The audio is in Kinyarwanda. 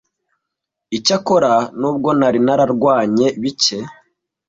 icyakora nubwo nari nararwanye bike